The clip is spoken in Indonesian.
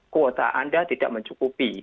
kuota anda tidak mencukupi